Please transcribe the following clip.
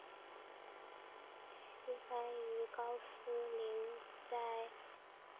希兰于高斯林在舒梨郡拥有的里录制了歌曲。